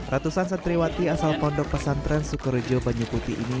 ratusan santriwati asal pondok pesantren sukerjo banyukuti ini